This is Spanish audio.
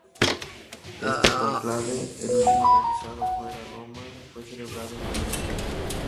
Este cónclave, el último realizado fuera Roma, fue celebrado en Venecia.